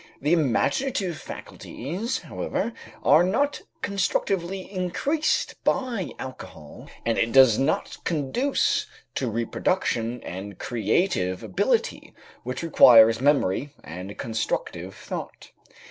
The imaginative faculties, however, are not constructively increased by alcohol, and it does not conduce to reproduction and creative ability, which requires memory and constructive thought.